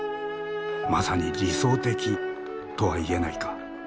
「まさに理想的」とは言えないか？